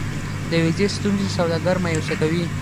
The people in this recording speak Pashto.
د ویزې ستونزې سوداګر مایوسه کوي.